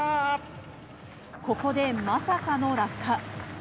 ここで、まさかの落下。